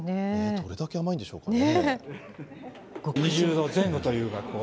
どれだけ甘いんでしょうかね。